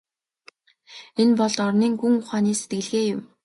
Энэ бол дорнын гүн ухааны сэтгэлгээ юм.